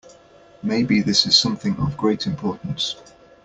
Maybe this is something of great importance.